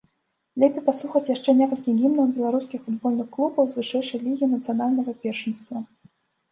Лепей паслухаць яшчэ некалькі гімнаў беларускіх футбольных клубаў з вышэйшай лігі нацыянальнага першынства.